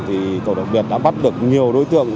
thì tội phạm đặc biệt đã bắt được nhiều đối tượng